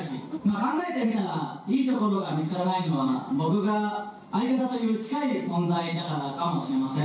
考えてみたら、いいところが見つからないのは僕が相方という近い存在だからかもしれません。